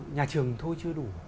nhà trường thôi chưa đủ